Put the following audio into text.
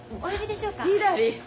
ひらり。